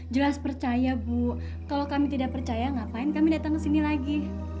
jelas percaya bu kalau kami tidak percaya ngapain kami datang ke sini lagi